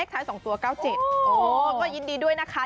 ท้าย๒ตัว๙๗ก็ยินดีด้วยนะคะ